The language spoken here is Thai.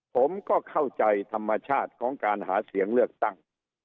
ผมก็เข้าใจธรรมชาติของการหาเสียงเลือกตั้ง